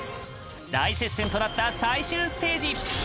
大接戦となった最終ステージ。